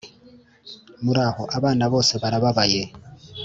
muraho, abana bose barababaye